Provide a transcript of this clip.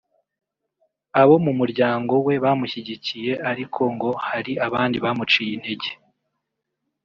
abo mu muryango we bamushyigikiye ariko ngo hari abandi bamuciye intege